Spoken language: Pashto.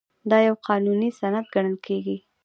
دا یو قانوني سند ګڼل کیږي.